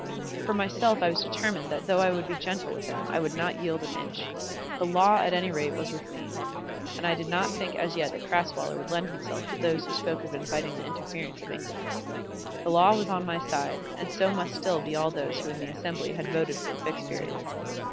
For myself I was determined that though I would be gentle with him I would not yield an inch. The law at any rate was with me, and I did not think as yet that Crasweller would lend himself to those who spoke of inviting the interference of England. The law was on my side, and so must still be all those who in the Assembly had voted for the Fixed Period.